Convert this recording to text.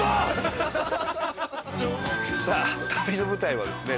さあ旅の舞台はですね